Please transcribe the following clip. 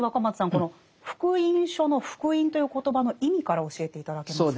この「福音書」の「福音」という言葉の意味から教えて頂けますか？